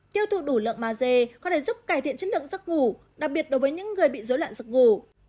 tiêu thụ đủ lượng mà dê có thể giúp cải thiện chất lượng giấc ngủ đặc biệt đối với những người bị dối loạn giấc ngủ